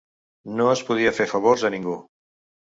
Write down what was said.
No es podia fer favors a ningú.